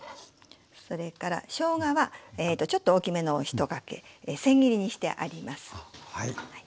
それからしょうがはちょっと大きめのを１かけせん切りにしてあります。